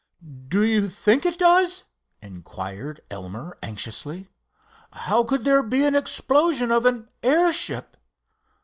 "Do you think it does?" inquired Elmer anxiously. "How could there be an explosion of an airship?